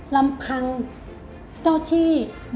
ลำพังเจ้าที่